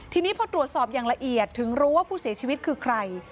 ทีนี้พอตรวจสอบอย่างละเอียดถึงรู้ว่าผู้เสียชีวิตคือใคร